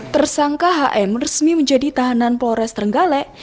tersangka hm resmi menjadi tahanan polres trenggalek